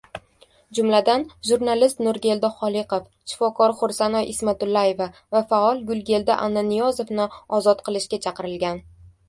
Jumladan, jurnalist Nurgeldi Xoliqov, shifokor Xursanoy Ismatullayeva va faol Gulgeldi Annaniyozovni ozod qilishga chaqirilgan